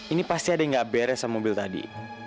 ini pasti ada yang gak beres sama mobil tadi